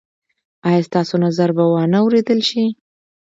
ایا ستاسو نظر به وا نه وریدل شي؟